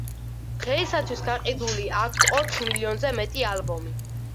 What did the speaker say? დღეისათვის გაყიდული აქვთ ოთხ მილიონზე მეტი ალბომი.